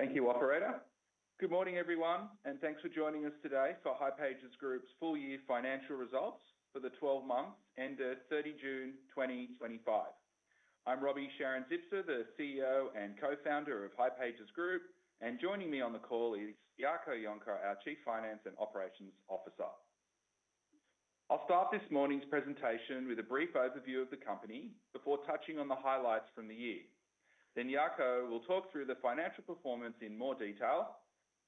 Thank you, operator. Good morning, everyone, and thanks for joining us today for hipages Group's full-year financial results for the 12 months ended 30 June 2025. I'm Roby Sharon-Zipser, the CEO and co-founder of hipages Group, and joining me on the call is Jaco Jonker, our Chief Finance and Operations Officer. I'll start this morning's presentation with a brief overview of the company before touching on the highlights from the year. Jaco will talk through the financial performance in more detail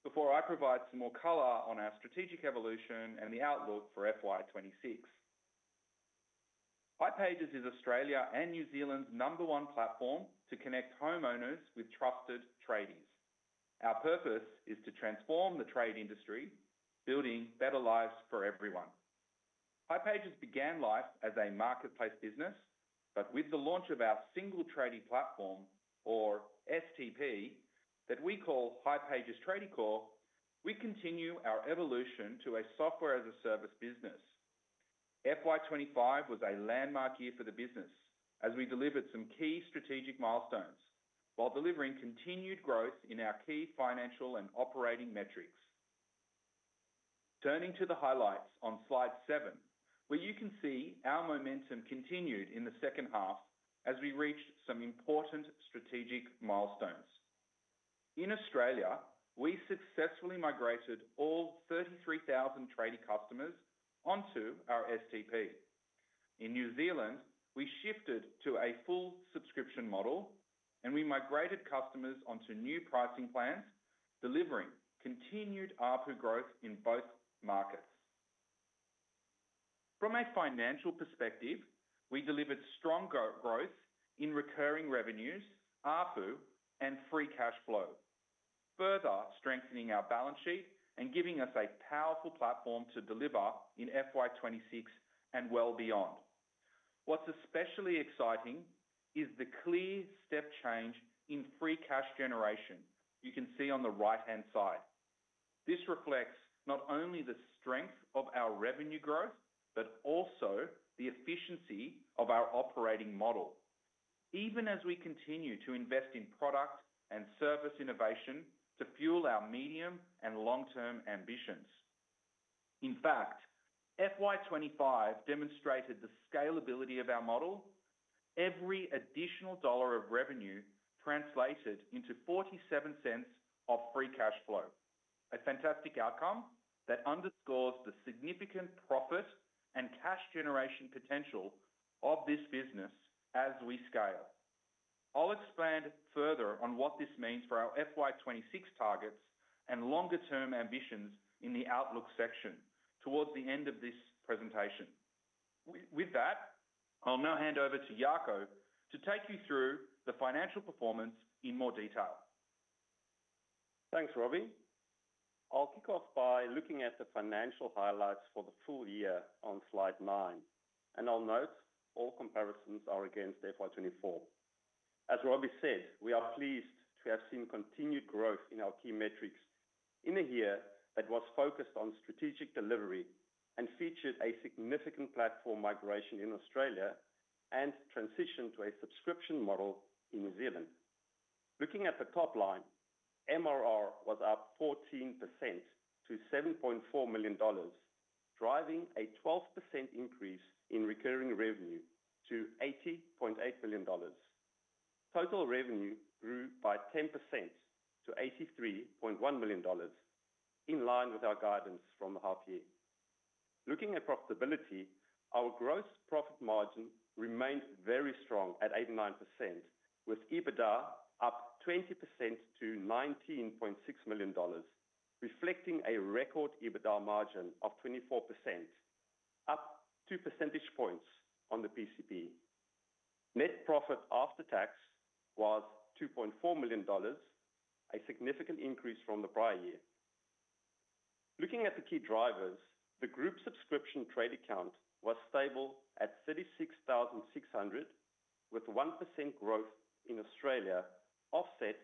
before I provide some more color on our strategic evolution and the outlook for FY 26. hipages is Australia and New Zealand's number one platform to connect homeowners with trusted tradies. Our purpose is to transform the trade industry, building better lives for everyone. hipages began life as a marketplace business, but with the launch of our Single Trading Platform, or STP, that we call hipages tradiecore, we continue our evolution to a Software-as-a-Service business. FY 25 was a landmark year for the business as we delivered some key strategic milestones while delivering continued growth in our key financial and operating metrics. Turning to the highlights on slide seven, you can see our momentum continued in the second half as we reached some important strategic milestones. In Australia, we successfully migrated all 33,000 tradie customers onto our STP. In New Zealand, we shifted to a full subscription model, and we migrated customers onto new pricing plans, delivering continued ARPU growth in both markets. From a financial perspective, we delivered strong growth in recurring revenues, ARPU, and free cash flow, further strengthening our balance sheet and giving us a powerful platform to deliver in FY 26 and well beyond. What's especially exciting is the clear step change in free cash generation you can see on the right-hand side. This reflects not only the strength of our revenue growth but also the efficiency of our operating model, even as we continue to invest in product and service innovation to fuel our medium and long-term ambitions. In fact, FY 25 demonstrated the scalability of our model. Every additional dollar of revenue translated into 0.47 of free cash flow, a fantastic outcome that underscores the significant profit and cash generation potential of this business as we scale. I'll expand further on what this means for our FY 26 targets and longer-term ambitions in the outlook section towards the end of this presentation. With that, I'll now hand over to Jaco to take you through the financial performance in more detail. Thanks, Roby. I'll kick off by looking at the financial highlights for the full year on slide nine, and I'll note all comparisons are against FY 24. As Roby said, we are pleased to have seen continued growth in our key metrics in a year that was focused on strategic delivery and featured a significant platform migration in Australia and transition to a subscription model in New Zealand. Looking at the top line, MRR was up 14% to 7.4 million dollars, driving a 12% increase in recurring revenue to 80.8 million dollars. Total revenue grew by 10% to 83.1 million dollars, in line with our guidance from the half year. Looking at profitability, our gross profit margin remained very strong at 89%, with EBITDA up 20% to AUD1 9.6 million, reflecting a record EBITDA margin of 24%, up two percentage points on the PCP. Net profit after tax was 2.4 million dollars, a significant increase from the prior year. Looking at the key drivers, the group subscription trade account was stable at 36,600, with 1% growth in Australia, offset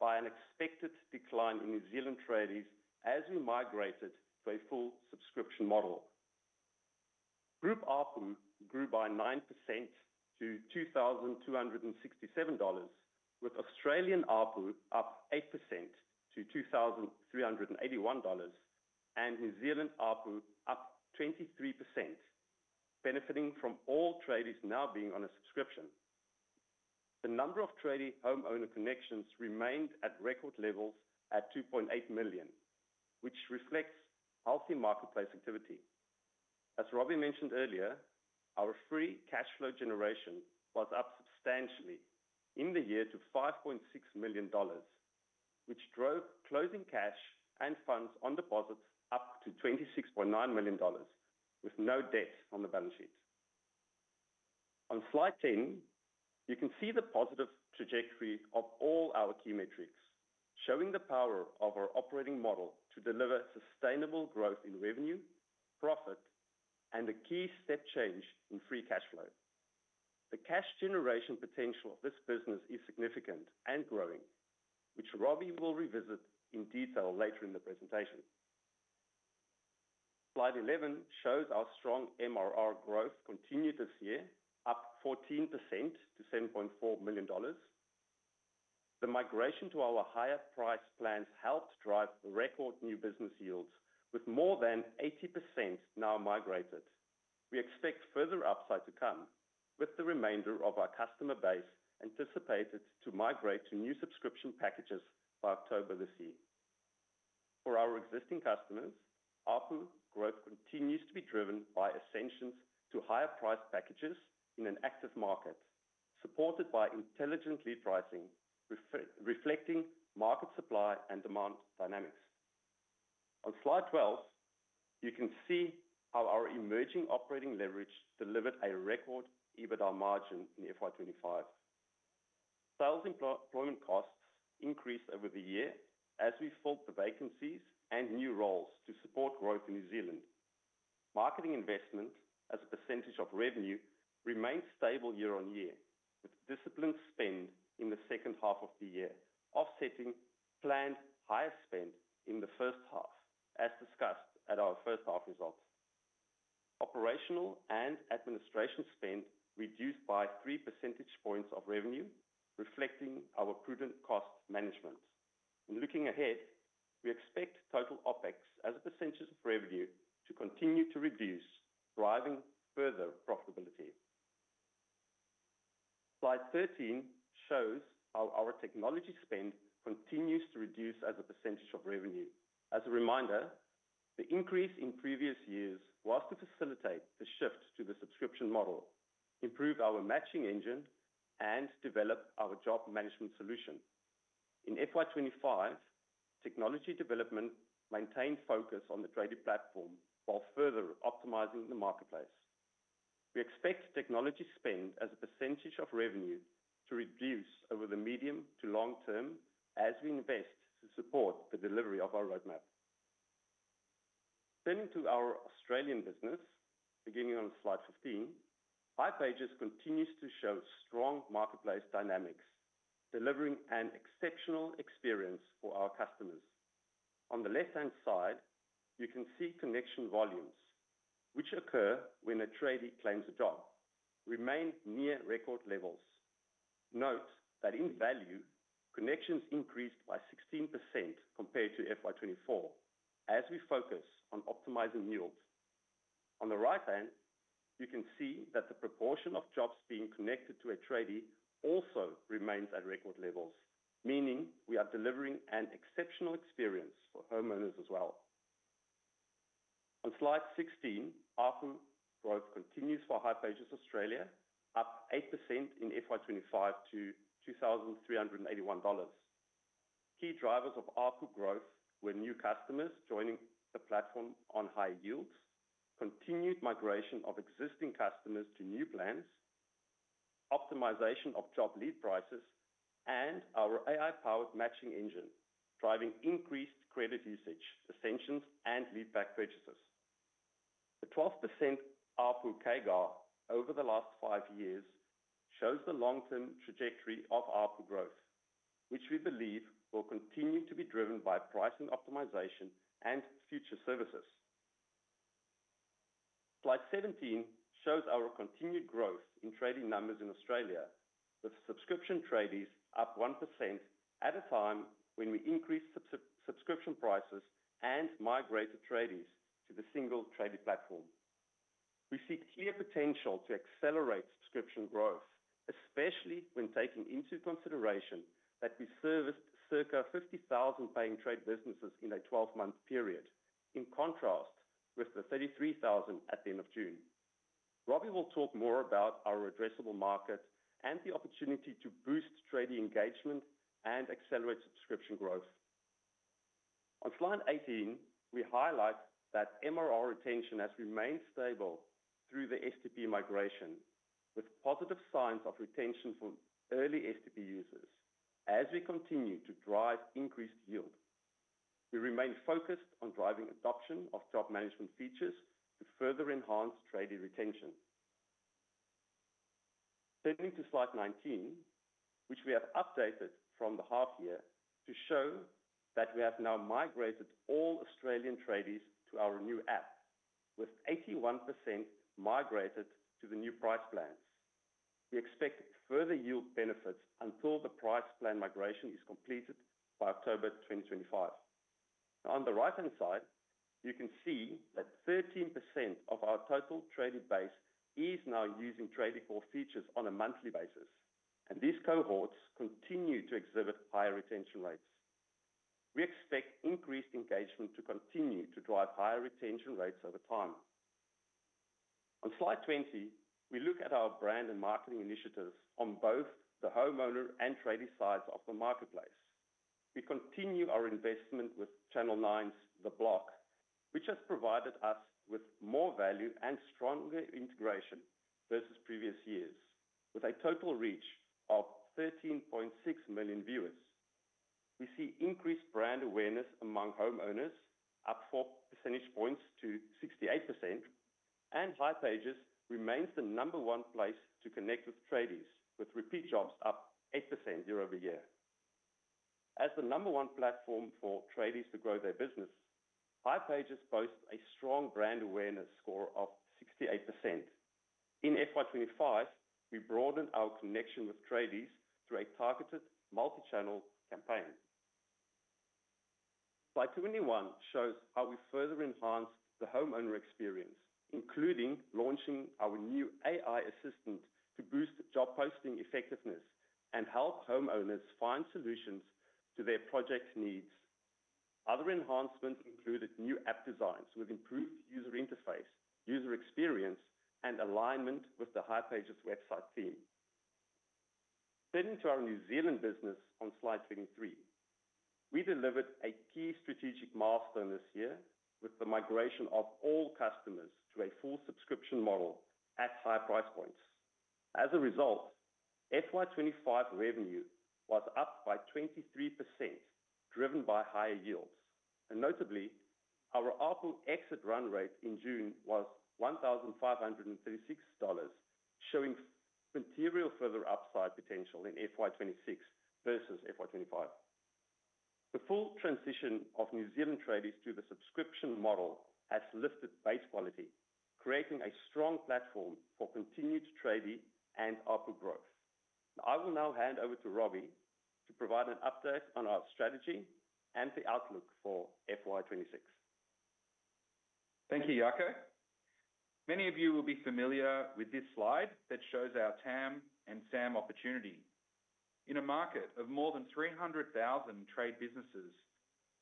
by an expected decline in New Zealand tradies as we migrated to a full subscription model. Group ARPU grew by 9% to 2,267 dollars, with Australian ARPU up 8% to 2,381 dollars and New Zealand ARPU up 23%, benefiting from all tradies now being on a subscription. The number of trading homeowner connections remained at record levels at 2.8 million, which reflects healthy marketplace activity. As Roby mentioned earlier, our free cash flow generation was up substantially in the year to 5.6 million dollars, which drove closing cash and funds on deposits up to 26.9 million dollars, with no debt on the balance sheet. On slide 10, you can see the positive trajectory of all our key metrics, showing the power of our operating model to deliver sustainable growth in revenue, profit, and a key step change in free cash flow. The cash generation potential of this business is significant and growing, which Roby will revisit in detail later in the presentation. Slide 11 shows our strong MRR growth continue this year, up 14% to 7.4 million dollars. The migration to our higher price plans helped drive record new business yields, with more than 80% now migrated. We expect further upside to come, with the remainder of our customer base anticipated to migrate to new subscription packages by October this year. For our existing customers, ARPU growth continues to be driven by ascensions to higher price packages in an active market, supported by intelligent lead pricing, reflecting market supply and demand dynamics. On slide 12, you can see how our emerging operating leverage delivered a record EBITDA margin in FY 25. Sales employment costs increased over the year as we filled the vacancies and new roles to support growth in New Zealand. Marketing investment as a percentage of revenue remained stable year on year, with disciplined spend in the second half of the year offsetting planned higher spend in the first half, as discussed at our first half results. Operational and administration spend reduced by 3% of revenue, reflecting our prudent cost management. Looking ahead, we expect total OpEx as a percentage of revenue to continue to reduce, driving further profitability. Slide 13 shows how our technology spend continues to reduce as a percentage of revenue. As a reminder, the increase in previous years was to facilitate the shift to the subscription model, improve our matching engine, and develop our job management solution. In FY 25, technology development maintained focus on the Single Trading Platform while further optimizing the marketplace. We expect technology spend as a percentage of revenue to reduce over the medium to long term as we invest to support the delivery of our roadmap. Turning to our Australian business, beginning on slide 15, hipages continues to show strong marketplace dynamics, delivering an exceptional experience for our customers. On the left-hand side, you can see connection volumes, which occur when a tradie claims a job, remain near record levels. Note that in value, connections increased by 16% compared to FY 24, as we focus on optimizing yield. On the right hand, you can see that the proportion of jobs being connected to a tradie also remains at record levels, meaning we are delivering an exceptional experience for homeowners as well. On slide 16, ARPU growth continues for hipages Australia, up 8% in FY 25 to 2,381 dollars. Key drivers of ARPU growth were new customers joining the platform on high yields, continued migration of existing customers to new plans, optimization of job lead prices, and our AI-powered matching engine, driving increased credit usage, ascensions, and lead-back purchases. The 12% ARPU CAGR over the last five years shows the long-term trajectory of ARPU growth, which we believe will continue to be driven by pricing optimization and future services. Slide 17 shows our continued growth in tradie numbers in Australia, with subscription tradies up 1% at a time when we increased subscription prices and migrated tradies to the Single Trading Platform. We see clear potential to accelerate subscription growth, especially when taking into consideration that we serviced circa 50,000 paying trade businesses in a 12-month period, in contrast with the 33,000 at the end of June. Roby will talk more about our addressable market and the opportunity to boost tradie engagement and accelerate subscription growth. On slide 18, we highlight that MRR retention has remained stable through the STP migration, with positive signs of retention from early STP users as we continue to drive increased yield. We remain focused on driving adoption of job management features to further enhance tradie retention. Turning to slide 19, which we have updated from the half year to show that we have now migrated all Australian tradies to our new app, with 81% migrated to the new price plans. We expect further yield benefits until the price plan migration is completed by October 2025. Now, on the right-hand side, you can see that 13% of our total tradie base is now using tradiecore features on a monthly basis, and these cohorts continue to exhibit higher retention rates. We expect increased engagement to continue to drive higher retention rates over time. On slide 20, we look at our brand and marketing initiatives on both the homeowner and tradie sides of the marketplace. We continue our investment with Channel Nine's The Block, which has provided us with more value and stronger integration versus previous years, with a total reach of 13.6 million viewers. We see increased brand awareness among homeowners, up four percentage points to 68%, and hipages remains the number one place to connect with tradies with repeat jobs up 8% year over year. As the number one platform for tradies to grow their business, hipages boasts a strong brand awareness score of 68%. In FY 2025, we broadened our connection with tradies through a targeted multi-channel campaign. Slide 21 shows how we further enhance the homeowner experience, including launching our new AI-powered assistant to boost job posting effectiveness and help homeowners find solutions to their project needs. Other enhancements included new app designs with improved user interface, user experience, and alignment with the hipages website theme. Turning to our New Zealand business on slide 23, we delivered a key strategic milestone this year with the migration of all customers to a full subscription model at high price points. As a result, FY 2025 revenue was up by 23%, driven by higher yields, and notably, our ARPU exit run rate in June was 1,536 dollars, showing material further upside potential in FY 2026 versus FY 2025. The full transition of New Zealand tradies to the subscription model has lifted base quality, creating a strong platform for continued tradie and ARPU growth. I will now hand over to Roby to provide an update on our strategy and the outlook for FY 2026. Thank you, Jaco. Many of you will be familiar with this slide that shows our TAM and SAM opportunity. In a market of more than 300,000 trade businesses,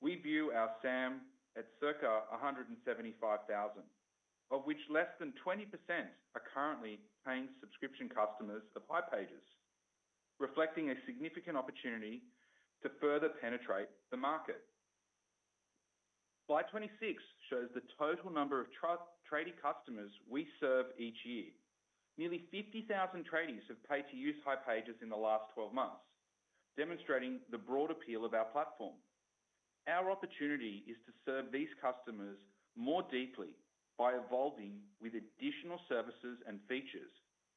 we view our SAM at circa 175,000, of which less than 20% are currently paying subscription customers of hipages, reflecting a significant opportunity to further penetrate the market. Slide 26 shows the total number of tradie customers we serve each year. Nearly 50,000 tradies have paid to use hipages in the last 12 months, demonstrating the broad appeal of our platform. Our opportunity is to serve these customers more deeply by evolving with additional services and features,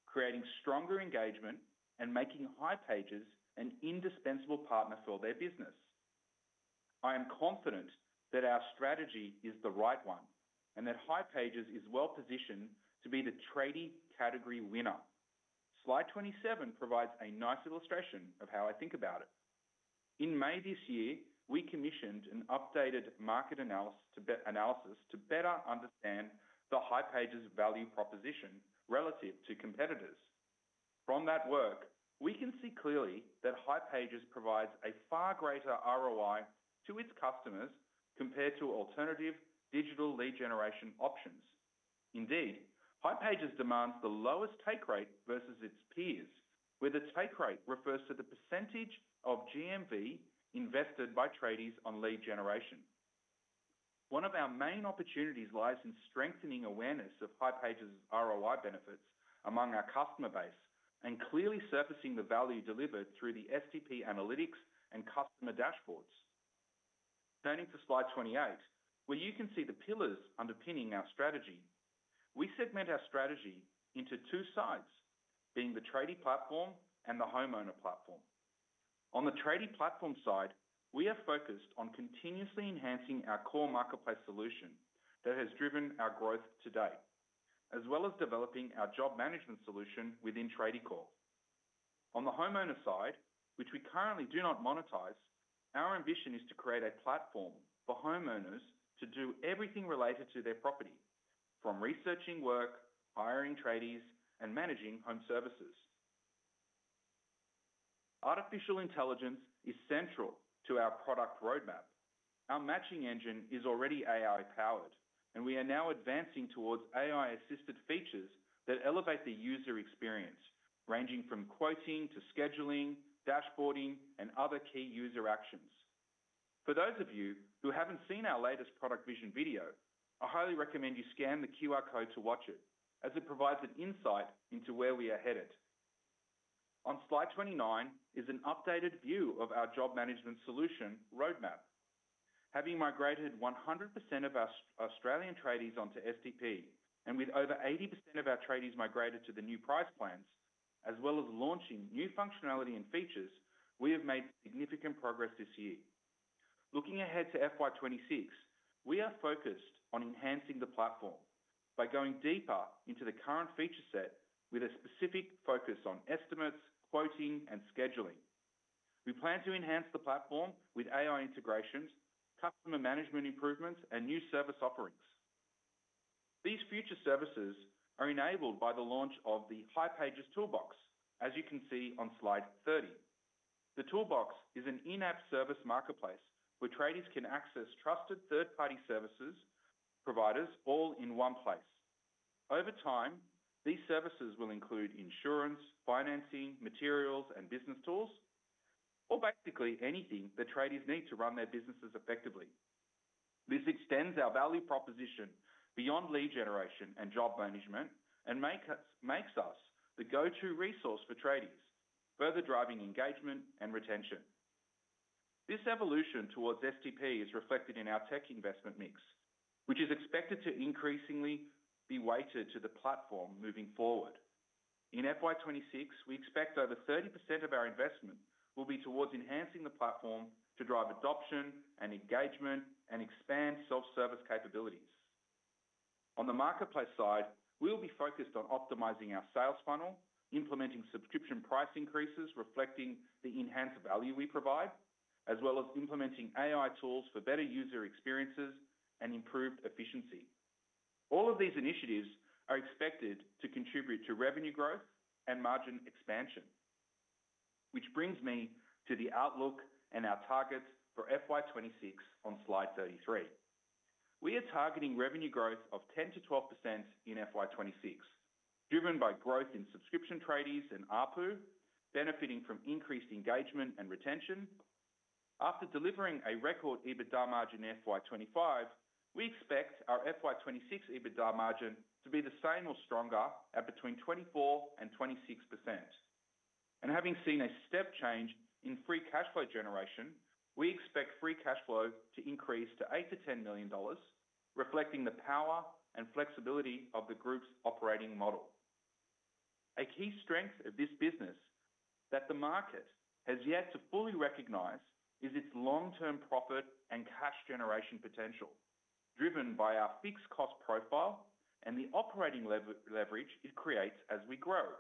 creating stronger engagement and making hipages an indispensable partner for their business. I am confident that our strategy is the right one and that hipages is well positioned to be the tradie category winner. Slide 27 provides a nice illustration of how I think about it. In May this year, we commissioned an updated market analysis to better understand the hipages value proposition relative to competitors. From that work, we can see clearly that hipages provides a far greater ROI to its customers compared to alternative digital lead generation options. Indeed, hipages demands the lowest take rate versus its peers, where the take rate refers to the percentage of GMV invested by tradies on lead generation. One of our main opportunities lies in strengthening awareness of hipages' ROI benefits among our customer base and clearly surfacing the value delivered through the STP analytics and customer dashboards. Turning to slide 28, where you can see the pillars underpinning our strategy, we segment our strategy into two sides, being the tradie platform and the homeowner platform. On the tradie platform side, we are focused on continuously enhancing our core marketplace solution that has driven our growth to date, as well as developing our job management solution within hipages tradiecore. On the homeowner side, which we currently do not monetize, our ambition is to create a platform for homeowners to do everything related to their property, from researching work, hiring tradies and managing home services. Artificial intelligence is central to our product roadmap. Our matching engine is already AI-powered, and we are now advancing towards AI-powered features that elevate the user experience, ranging from quoting to scheduling, dashboarding and other key user actions. For those of you who haven't seen our latest product vision video, I highly recommend you scan the QR code to watch it, as it provides an insight into where we are headed. On slide 29 is an updated view of our job management solution roadmap. Having migrated 100% of our Australian tradies onto STP and with over 80% of our tradies migrated to the new price plans, as well as launching new functionality and features, we have made significant progress this year. Looking ahead to FY 2026, we are focused on enhancing the platform by going deeper into the current feature set with a specific focus on estimates, quoting, and scheduling. We plan to enhance the platform with AI integrations, customer management improvements, and new service offerings. These future services are enabled by the launch of the hipages Toolbox, as you can see on slide 30. The Toolbox is an in-app service marketplace where tradies can access trusted third-party service providers all in one place. Over time, these services will include insurance, financing, materials, and business tools, or basically anything that tradies need to run their businesses effectively. This extends our value proposition beyond lead generation and job management and makes us the go-to resource for tradies, further driving engagement and retention. This evolution towards STP is reflected in our tech investment mix, which is expected to increasingly be weighted to the platform moving forward. In FY 2026, we expect over 30% of our investment will be towards enhancing the platform to drive adoption and engagement and expand self-service capabilities. On the marketplace side, we'll be focused on optimizing our sales funnel, implementing subscription price increases reflecting the enhanced value we provide, as well as implementing AI tools for better user experiences and improved efficiency. All of these initiatives are expected to contribute to revenue growth and margin expansion, which brings me to the outlook and our targets for FY 2026 on slide 33. We are targeting revenue growth of 10%-12% in FY 2026, driven by growth in subscription tradies and ARPU, benefiting from increased engagement and retention. After delivering a record EBITDA margin in FY 2025, we expect our FY 2026 EBITDA margin to be the same or stronger at between 24% and 26%. Having seen a step change in free cash flow generation, we expect free cash flow to increase to 8 million to 10 million dollars, reflecting the power and flexibility of the group's operating model. A key strength of this business that the market has yet to fully recognize is its long-term profit and cash generation potential, driven by our fixed cost profile and the operating leverage it creates as we grow.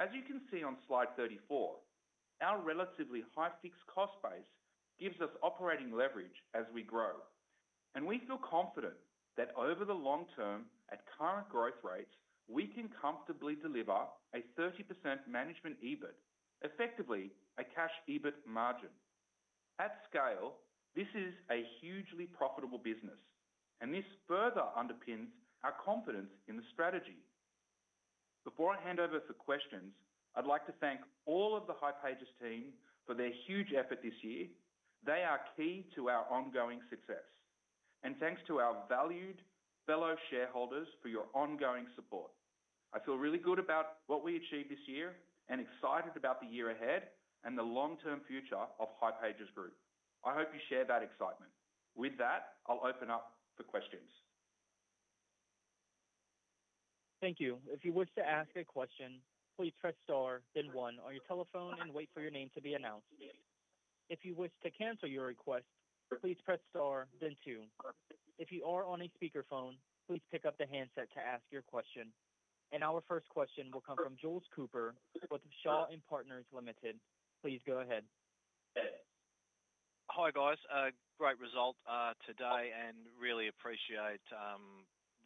As you can see on slide 34, our relatively high fixed cost base gives us operating leverage as we grow, and we feel confident that over the long term at current growth rates, we can comfortably deliver a 30% management EBIT, effectively a cash EBIT margin. At scale, this is a hugely profitable business, and this further underpins our confidence in the strategy. Before I hand over for questions, I'd like to thank all of the hipages team for their huge effort this year. They are key to our ongoing success, and thanks to our valued fellow shareholders for your ongoing support. I feel really good about what we achieved this year and excited about the year ahead and the long-term future of hipages Group. I hope you share that excitement. With that, I'll open up for questions. Thank you. If you wish to ask a question, please press star, then one on your telephone and wait for your name to be announced. If you wish to cancel your request, please press star, then two. If you are on a speaker phone, please pick up the handset to ask your question. Our first question will come from Jules Cooper with Shaw and Partners Limited. Please go ahead. Hi guys, great result today and really appreciate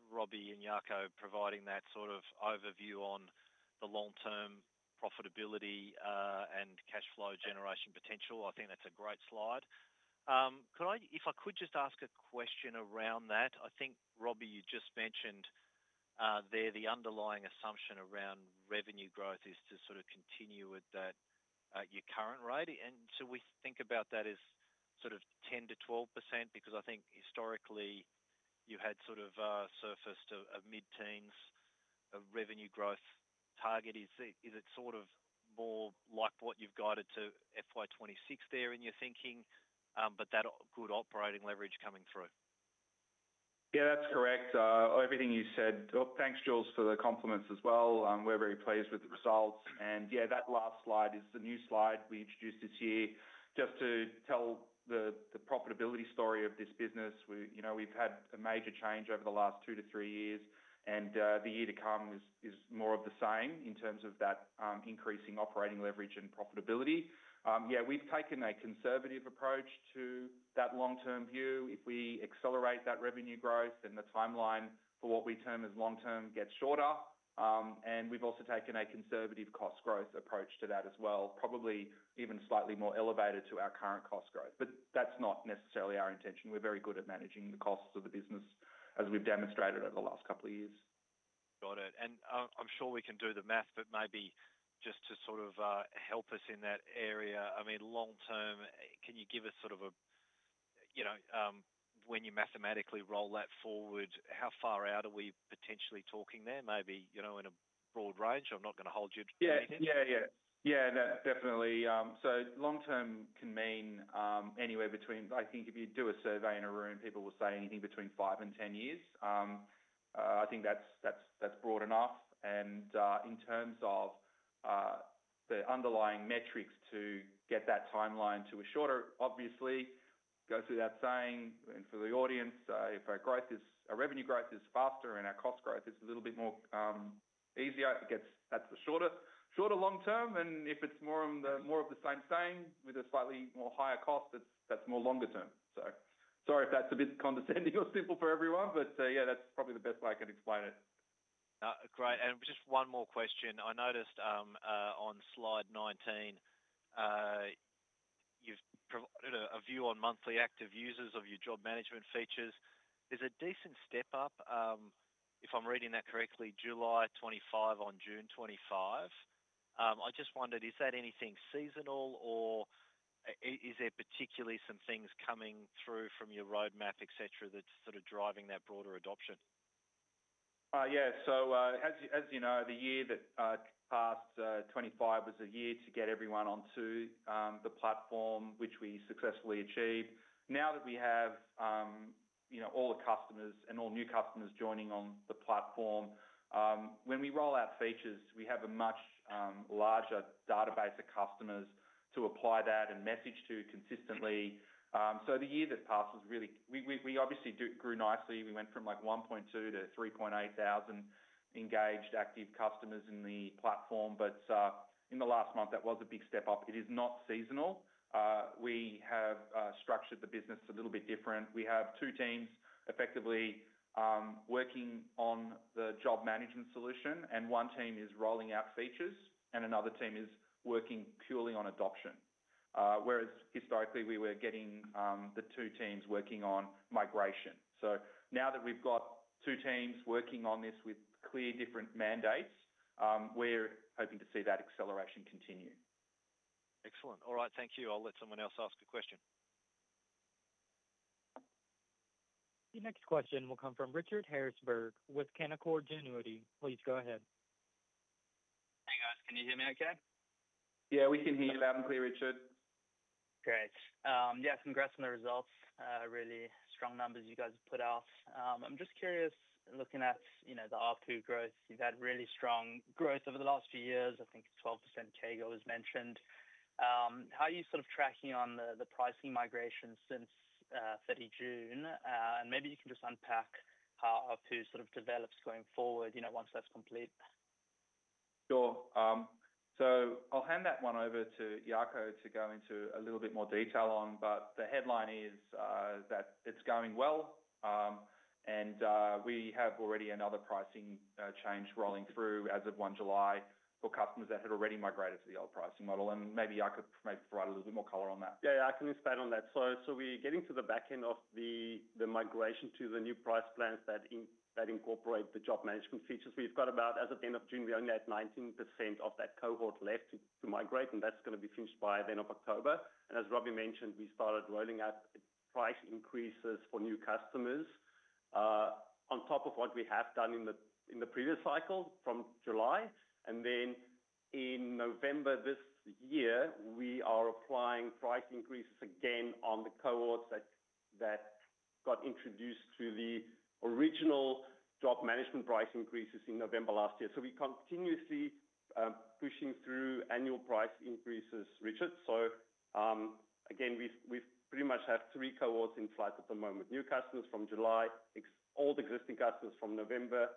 Roby and Jaco providing that sort of overview on the long-term profitability and cash flow generation potential. I think that's a great slide. Could I just ask a question around that, I think Roby, you just mentioned there the underlying assumption around revenue growth is to sort of continue with that at your current rate. We think about that as sort of 10%-12% because I think historically you had sort of surfaced a mid-teens revenue growth target. Is it sort of more like what you've guided to FY 2026 there in your thinking? That good operating leverage coming through. Yeah, that's correct. Everything you said, thanks Jules for the compliments as well. We're very pleased with the results. That last slide is the new slide we introduced this year just to tell the profitability story of this business. We've had a major change over the last two to three years, and the year to come is more of the same in terms of that increasing operating leverage and profitability. We've taken a conservative approach to that long-term view. If we accelerate that revenue growth, then the timeline for what we term as long-term gets shorter. We've also taken a conservative cost growth approach to that as well, probably even slightly more elevated to our current cost growth. That's not necessarily our intention. We're very good at managing the costs of the business as we've demonstrated over the last couple of years. Got it. I'm sure we can do the math, but maybe just to help us in that area, long-term, can you give us sort of a, you know, when you mathematically roll that forward, how far out are we potentially talking there? Maybe, you know, in a broad range, I'm not going to hold you to anything. Yeah, definitely. Long-term can mean anywhere between, I think if you do a survey in a room, people will say anything between five and ten years. I think that's broad enough. In terms of the underlying metrics to get that timeline to a shorter, obviously, goes without saying, and for the audience, if our growth is, our revenue growth is faster and our cost growth is a little bit more easier, that's the shorter long-term. If it's more of the same thing with a slightly more higher cost, that's more longer term. Sorry if that's a bit condescending or simple for everyone, but yeah, that's probably the best way I can explain it. Great. Just one more question. I noticed on slide 19, you've provided a view on monthly active users of your job management features. There's a decent step up, if I'm reading that correctly, July 25 on June 25. I just wondered, is that anything seasonal or is there particularly some things coming through from your roadmap, etc., that's sort of driving that broader adoption? Yeah, as you know, the year that passed, 2025, was a year to get everyone onto the platform, which we successfully achieved. Now that we have all the customers and all new customers joining on the platform, when we roll out features, we have a much larger database of customers to apply that and message to consistently. The year that passed was really, we obviously grew nicely. We went from 1200-3800 engaged active customers in the platform. In the last month, that was a big step up. It is not seasonal. We have structured the business a little bit different. We have two teams effectively working on the job management solution. One team is rolling out features, and another team is working purely on adoption. Historically, we were getting the two teams working on migration. Now that we've got two teams working on this with clear different mandates, we're hoping to see that acceleration continue. Excellent. All right, thank you. I'll let someone else ask a question. Your next question will come from Richard Harrisberg with Canaccord Genuity. Please go ahead. Hey guys, can you hear me okay? Yeah, we can hear you loud and clear, Richard. Great. Yeah, some graphs on the results, really strong numbers you guys have put out. I'm just curious, looking at, you know, the ARPU growth, you've had really strong growth over the last few years. I think 12% CAGR was mentioned. How are you sort of tracking on the pricing migration since 30 June? Maybe you can just unpack how ARPU sort of develops going forward, you know, once that's complete. Sure. I'll hand that one over to Jaco to go into a little bit more detail on, but the headline is that it's going well. We have already another pricing change rolling through as of 1 July for customers that had already migrated to the old pricing model. Maybe Jaco could provide a little bit more color on that. Yeah. I can expand on that. We're getting to the back end of the migration to the new price plans that incorporate the job management features. We've got about, as of the end of June, we only had 19% of that cohort left to migrate, and that's going to be finished by the end of October. As Roby mentioned, we started rolling out price increases for new customers on top of what we have done in the previous cycle from July. In November this year, we are applying price increases again on the cohorts that got introduced to the original job management price increases in November last year. We're continuously pushing through annual price increases, Richard. We pretty much have three cohorts in flight at the moment: new customers from July, old existing customers from November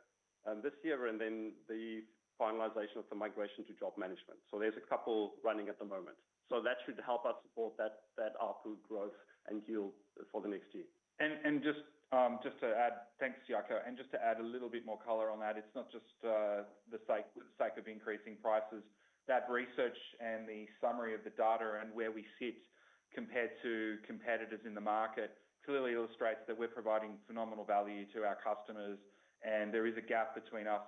this year, and the finalization of the migration to job management. There are a couple running at the moment. That should help us support that ARPU growth and yield for the next year. Thank you, Jaco. Just to add a little bit more color on that, it's not just the cycle of increasing prices. That research and the summary of the data and where we sit compared to competitors in the market clearly illustrates that we're providing phenomenal value to our customers. There is a gap between us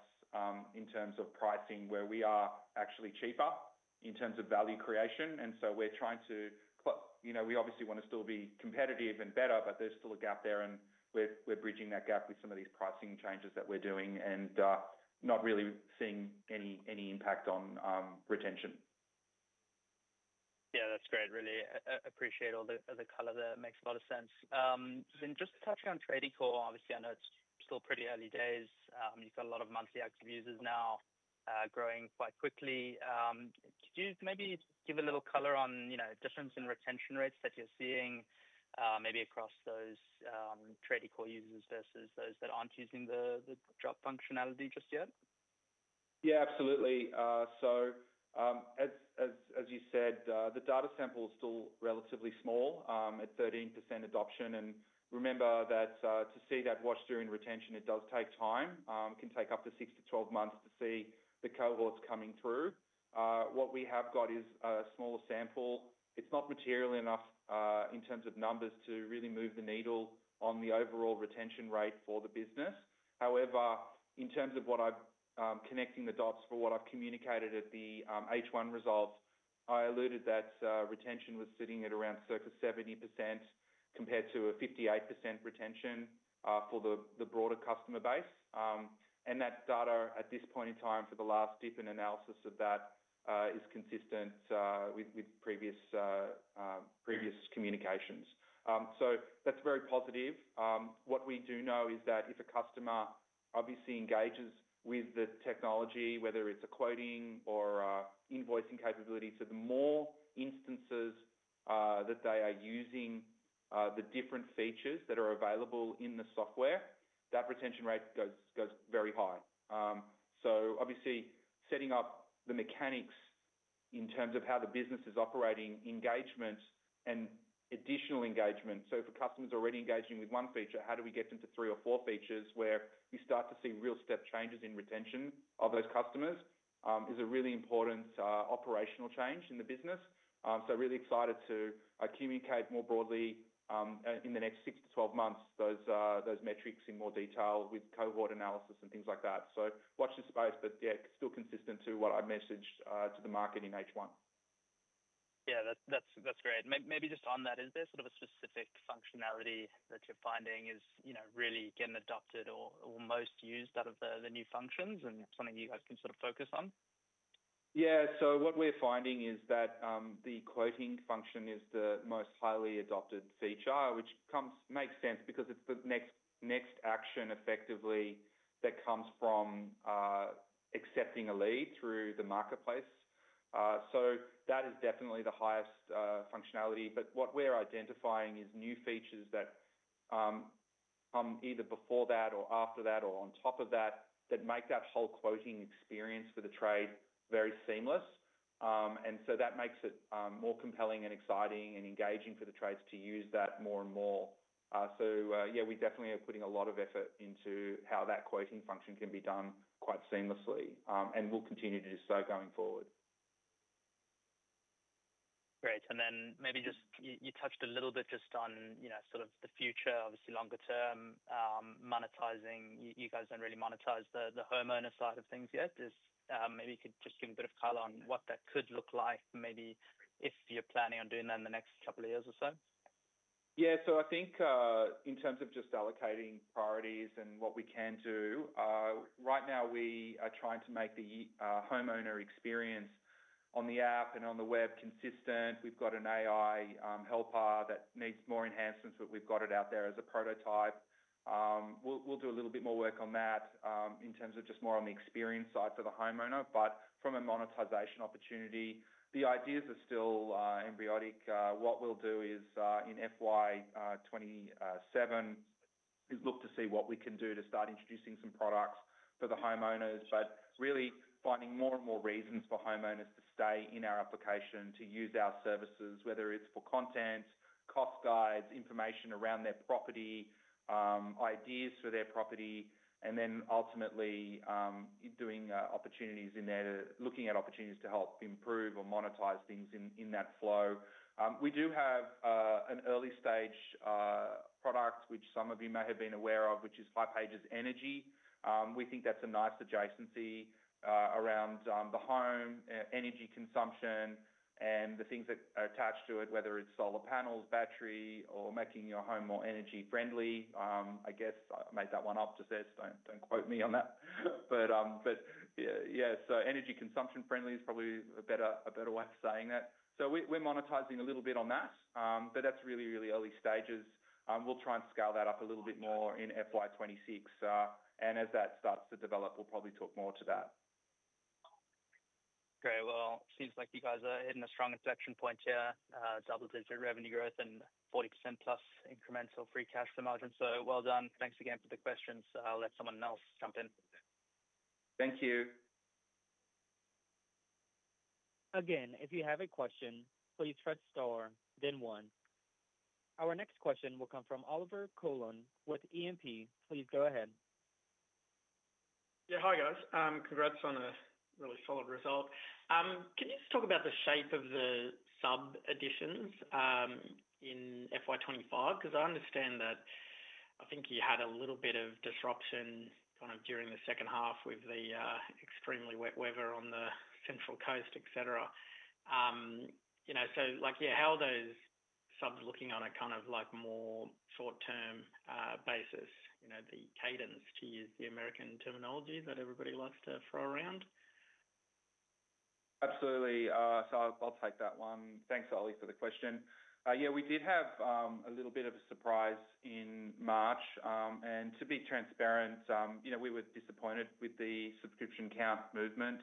in terms of pricing where we are actually cheaper in terms of value creation. We obviously want to still be competitive and better, but there's still a gap there. We're bridging that gap with some of these pricing changes that we're doing and not really seeing any impact on retention. Yeah, that's great. Really appreciate all the color there. It makes a lot of sense. Just touching on hipages tradiecore, obviously I know it's still pretty early days. You've got a lot of monthly active users now growing quite quickly. Could you maybe give a little color on, you know, a difference in retention rates that you're seeing maybe across those hipages tradiecore users versus those that aren't using the job functionality just yet? Yeah, absolutely. As you said, the data sample is still relatively small at 13% adoption. Remember that to see that wash through in retention, it does take time. It can take up to 6-12 months to see the cohorts coming through. What we have got is a smaller sample. It's not material enough in terms of numbers to really move the needle on the overall retention rate for the business. However, in terms of what I'm connecting the dots for, what I've communicated at the H1 results, I alluded that retention was sitting at around circa 70% compared to a 58% retention for the broader customer base. That data at this point in time for the last dip in analysis of that is consistent with previous communications. That's very positive. What we do know is that if a customer obviously engages with the technology, whether it's a quoting or invoicing capability, the more instances that they are using the different features that are available in the software, that retention rate goes very high. Obviously, setting up the mechanics in terms of how the business is operating, engagement and additional engagement. If a customer's already engaging with one feature, how do we get into three or four features where we start to see real step changes in retention of those customers is a really important operational change in the business. I'm really excited to communicate more broadly in the next 6-12 months those metrics in more detail with cohort analysis and things like that. Watch this space, but yeah, still consistent to what I messaged to the market in H1. Yeah, that's great. Maybe just on that, is there sort of a specific functionality that you're finding is really getting adopted or most used out of the new functions, and something you guys can sort of focus on? Yeah, what we're finding is that the quoting function is the most highly adopted feature, which makes sense because it's the next action effectively that comes from accepting a lead through the marketplace. That is definitely the highest functionality. What we're identifying is new features that come either before that or after that or on top of that that make that whole quoting experience for the tradie very seamless. That makes it more compelling, exciting, and engaging for the tradies to use that more and more. We definitely are putting a lot of effort into how that quoting function can be done quite seamlessly and will continue to do so going forward. Great. Maybe just you touched a little bit just on sort of the future, obviously longer term monetizing. You guys don't really monetize the homeowner side of things yet. Maybe you could just give a bit of color on what that could look like, maybe if you're planning on doing that in the next couple of years or so. Yeah, so I think in terms of just allocating priorities and what we can do, right now we are trying to make the homeowner experience on the app and on the web consistent. We've got an AI helper that needs more enhancements, but we've got it out there as a prototype. We'll do a little bit more work on that in terms of just more on the experience side for the homeowner. From a monetization opportunity, the ideas are still embryonic. What we'll do in FY 2027 is look to see what we can do to start introducing some products for the homeowners, but really finding more and more reasons for homeowners to stay in our application to use our services, whether it's for content, cost guides, information around their property, ideas for their property, and ultimately doing opportunities in there, looking at opportunities to help improve or monetize things in that flow. We do have an early stage product, which some of you may have been aware of, which is hipages Energy. We think that's a nice adjacency around the home energy consumption and the things that are attached to it, whether it's solar panels, battery, or making your home more energy friendly. I guess I made that one up to say, don't quote me on that. Energy consumption friendly is probably a better way of saying that. We're monetizing a little bit on that, but that's really, really early stages. We'll try and scale that up a little bit more in FY 2026. As that starts to develop, we'll probably talk more to that. Great. It seems like you guys are hitting a strong inflection point here, double-digit revenue growth and 40% plus incremental free cash flow margin. So well done. Thanks again for the questions. I'll let someone else jump in. Thank you. Again, if you have a question, please press star, then one. Our next question will come from Olivier Coulon with E&P. Please go ahead. Yeah, hi guys. Congrats on a really solid result. Can you just talk about the shape of the sub additions in FY 2025? I understand that I think you had a little bit of disruption during the second half with the extremely wet weather on the Central Coast, etc. How are those subs looking on a more short-term basis? The cadence key is the American terminology that everybody likes to throw around. Absolutely. I'll take that one. Thanks, Ollie, for the question. We did have a little bit of a surprise in March. To be transparent, we were disappointed with the subscription count movement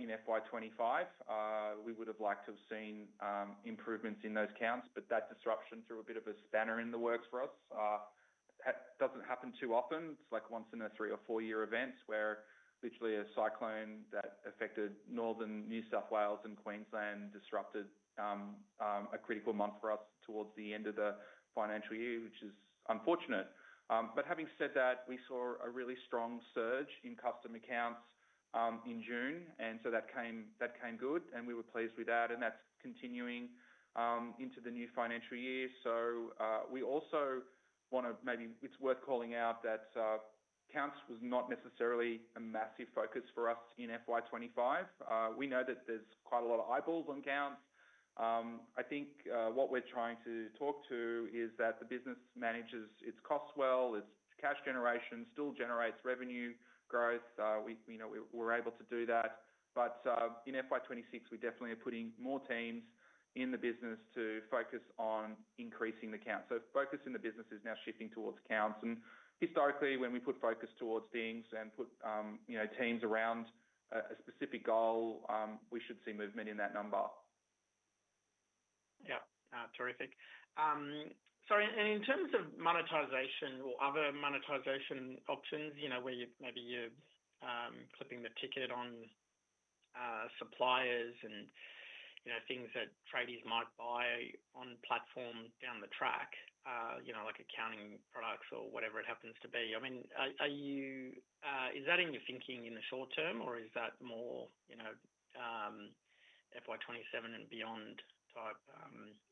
in FY 2025. We would have liked to have seen improvements in those counts, but that disruption threw a bit of a spanner in the works for us. It does not happen too often. It is like once in a three or four-year event where literally a cyclone that affected northern New South Wales and Queensland disrupted a critical month for us towards the end of the financial year, which is unfortunate. Having said that, we saw a really strong surge in custom accounts in June. That came good, and we were pleased with that. That is continuing into the new financial year. We also want to, maybe it is worth calling out that counts was not necessarily a massive focus for us in FY 2025. We know that there is quite a lot of eyeballs on counts. I think what we are trying to talk to is that the business manages its costs well, its cash generation still generates revenue growth. We are able to do that. In FY 2026, we definitely are putting more teams in the business to focus on increasing the count. Focus in the business is now shifting towards counts. Historically, when we put focus towards things and put teams around a specific goal, we should see movement in that number. Terrific. In terms of monetization or other monetization options, where maybe you're clipping the ticket on suppliers and things that tradies might buy on platform down the track, like accounting products or whatever it happens to be, is that in your thinking in the short term or is that more FY2027 and beyond type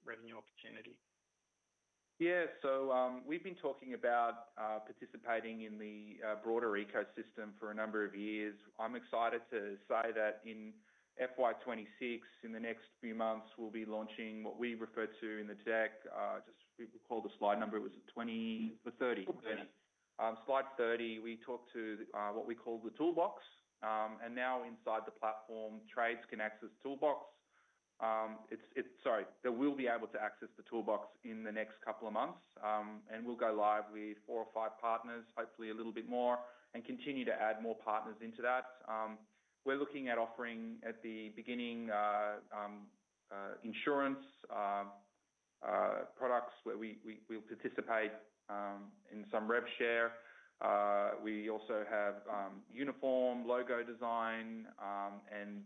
revenue opportunity? Yeah, we've been talking about participating in the broader ecosystem for a number of years. I'm excited to say that in FY 2026, in the next few months, we'll be launching what we refer to in the tech, just we call the slide number, it was 20 or 30. Slide 30, we talked to what we call the Toolbox. Now inside the platform, tradies can access Toolbox. Sorry, they will be able to access the Toolbox in the next couple of months. We'll go live with four or five partners, hopefully a little bit more, and continue to add more partners into that. We're looking at offering at the beginning insurance products where we'll participate in some rev share. We also have uniform logo design, and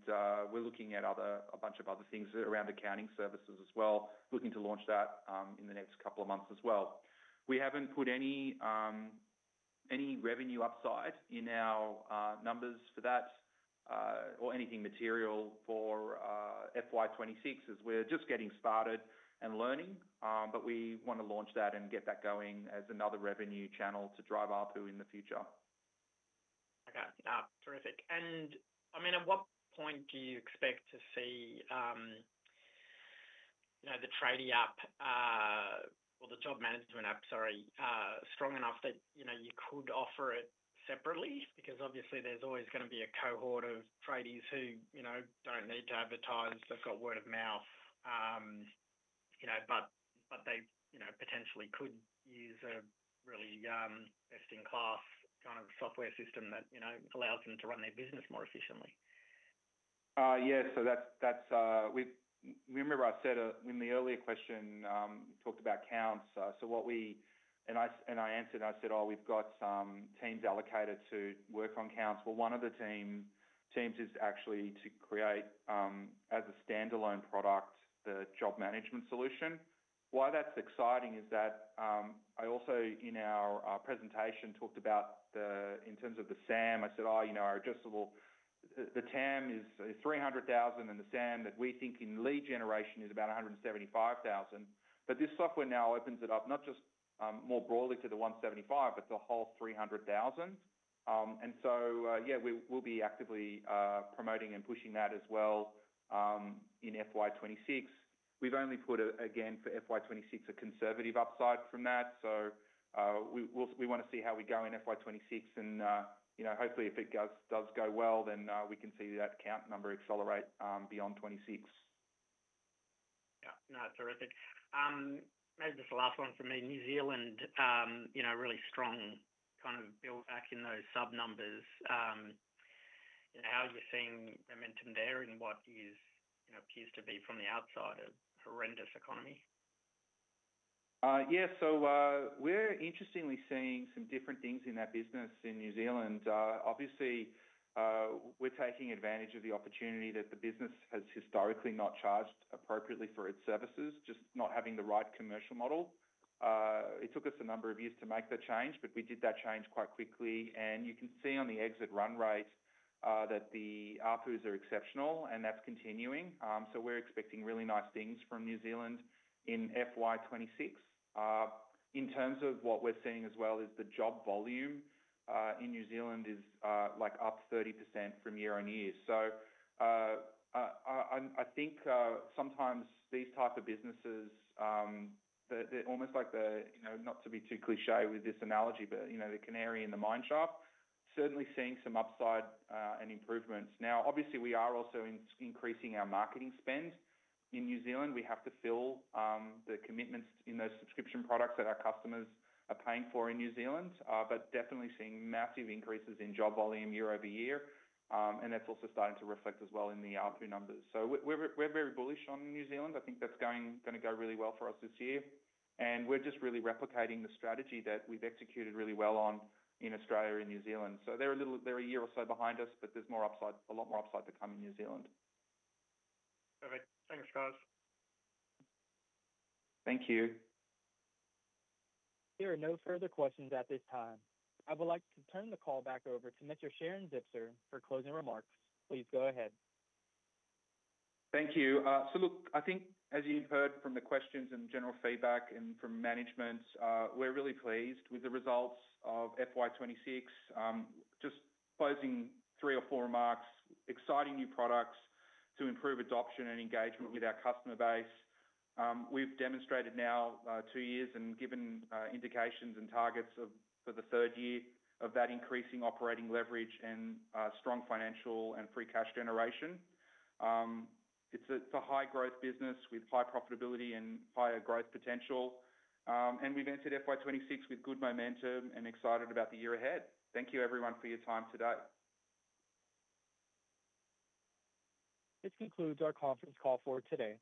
we're looking at a bunch of other things around accounting services as well, looking to launch that in the next couple of months as well. We haven't put any revenue upside in our numbers for that or anything material for FY 2026 as we're just getting started and learning. We want to launch that and get that going as another revenue channel to drive ARPU in the future. Okay, terrific. At what point do you expect to see the tradie app or the job management app, sorry, strong enough that you could offer it separately? Obviously, there's always going to be a cohort of tradies who don't need to advertise, they've got word of mouth, but they potentially could use a really best-in-class kind of software system that allows them to run their business more efficiently. Yeah, so that's, that's, remember I said in the earlier question, talked about counts. What we, and I answered and I said, oh, we've got teams allocated to work on counts. One of the teams is actually to create as a standalone product, the job management solution. Why that's exciting is that I also in our presentation talked about the, in terms of the SAM, I said, oh, you know, our addressable, the TAM is 300,000 and the SAM that we think in lead generation is about 175,000. This software now opens it up not just more broadly to the 175,000, but the whole 300,000. We'll be actively promoting and pushing that as well in FY 2026. We've only put again for FY 2026 a conservative upside from that. We want to see how we go in FY 2026. Hopefully if it does go well, then we can see that count number accelerate beyond 2026. Yeah, no, terrific. Maybe just the last one for me, New Zealand, you know, really strong kind of build back in those sub numbers. How are we seeing momentum there, and what is, you know, appears to be from the outside a horrendous economy? Yeah, so we're interestingly seeing some different things in that business in New Zealand. Obviously, we're taking advantage of the opportunity that the business has historically not charged appropriately for its services, just not having the right commercial model. It took us a number of years to make that change, but we did that change quite quickly. You can see on the exit run rate that the ARPUs are exceptional, and that's continuing. We're expecting really nice things from New Zealand in FY 2026. In terms of what we're seeing as well, the job volume in New Zealand is up 30% year-on-year. I think sometimes these types of businesses, they're almost like the, you know, not to be too cliché with this analogy, but you know, the canary in the mine shop, certainly seeing some upside and improvements. Obviously, we are also increasing our marketing spend in New Zealand. We have to fill the commitments in those subscription products that our customers are paying for in New Zealand, definitely seeing massive increases in job volume year over year. That's also starting to reflect as well in the ARPU numbers. We're very bullish on New Zealand. I think that's going to go really well for us this year. We're just really replicating the strategy that we've executed really well on in Australia and New Zealand. They're a little, they're a year or so behind us, but there's more upside, a lot more upside to come in New Zealand. Perfect. Thanks, guys. Thank you. There are no further questions at this time. I would like to turn the call back over to Mr. Sharon-Zipser for closing remarks. Please go ahead. Thank you. I think as you've heard from the questions and general feedback and from management, we're really pleased with the results of FY 2026. Just closing, three or four remarks: exciting new products to improve adoption and engagement with our customer base. We've demonstrated now two years and given indications and targets for the third year of that increasing operating leverage and strong financial and free cash generation. It's a high growth business with high profitability and higher growth potential. We've entered FY 2026 with good momentum and excited about the year ahead. Thank you everyone for your time today. This concludes our conference call for today.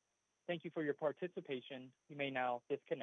Thank you for your participation. You may now disconnect.